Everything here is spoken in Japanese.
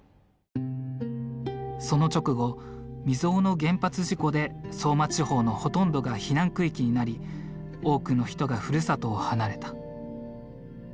その直後未曽有の原発事故で相馬地方のほとんどが避難区域になり多くの人がふるさとを離れた。